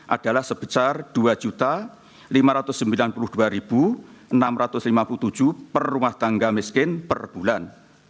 adalah sebesar dua lima ratus sembilan puluh dua enam ratus lima puluh tujuh per rumah tangga miskin per bulan